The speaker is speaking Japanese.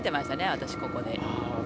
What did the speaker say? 私、ここで。